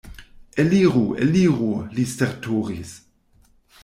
Eliru, eliru, li stertoris.